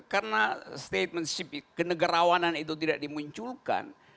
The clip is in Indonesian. karena statements kenegarawanan itu tidak dimunculkan